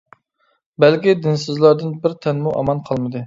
بەلكى دىنسىزلاردىن بىر تەنمۇ ئامان قالمىدى.